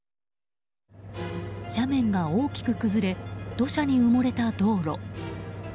斜面が大きく崩れ土砂に埋もれた道路。